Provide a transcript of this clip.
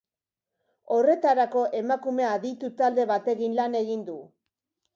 Horretarako emakume aditu-talde batekin lan egin du.